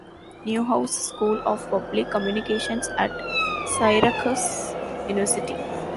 Newhouse School of Public Communications at Syracuse University.